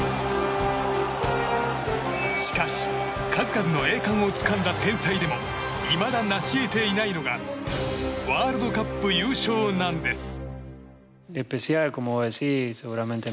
しかし数々の栄冠をつかんだ天才でもいまだ成し得ていないのがワールドカップ優勝なんです。